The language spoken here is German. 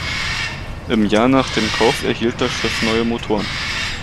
Im Jahr nach dem Kauf erhielt das Schiff neue Motoren.